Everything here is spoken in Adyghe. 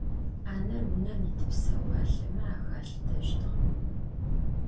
Ӏанэр унэм ит псэуалъэмэ ахалъытэщтыгъэп.